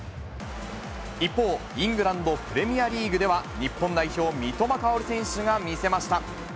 一方、イングランドプレミアリーグでは、日本代表、三笘薫選手が見せました。